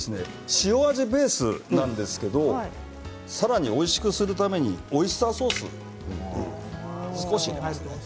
塩味ベースなんですけれどさらにおいしくするためにオイスターソース少し入れますね。